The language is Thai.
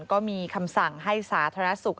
ก็มีคำสั่งให้สาธารณสุข